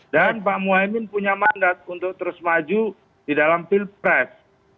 dan pak muwaimin punya mandat untuk terus maju di dalam pil pres